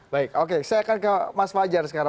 baik oke saya akan ke mas fajar sekarang